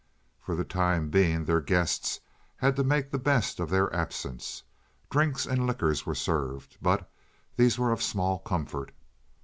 For the time being their guests had to make the best of their absence. Drinks and liquors were served, but these were of small comfort.